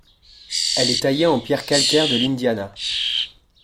Elle est taillée en pierre calcaire de l'Indiana.